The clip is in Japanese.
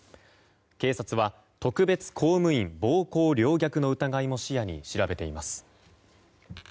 警察は、特別公務員暴行陵虐の疑いも視野に調べています。